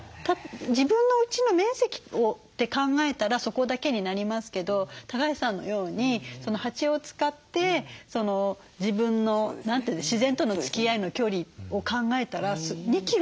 自分のうちの面積をって考えたらそこだけになりますけど橋さんのように蜂を使って自分の自然とのつきあいの距離を考えたら２キロもあるわけですよね。